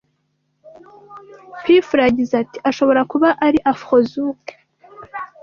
P Fla yagize ati ashobora kuba ari Afro zouk